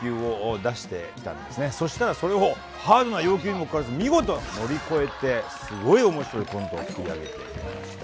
そしたらそれをハードな要求にもかかわらず見事乗り越えてすごい面白いコントを作り上げてくれました。